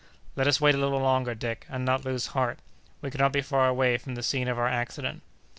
"Let us wait a little longer, Dick, and not lose heart. We cannot be far away from the scene of our accident."